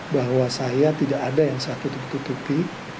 bahwa saya tidak ada yang saya tutup tutupi